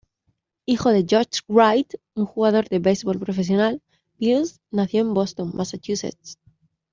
Hijo de George Wright, un jugador de baseball profesional, Beals nació en Boston, Massachusetts.